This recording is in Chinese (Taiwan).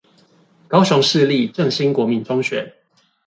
高雄市立正興國民中學